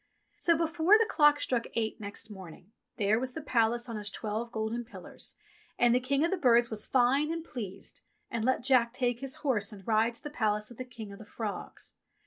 So before the clock struck eight next morning, there was the Palace on its twelve golden pillars, and the King of the Birds was fine and pleased, and let Jack take his horse and ride to the palace of the King of the Frogs.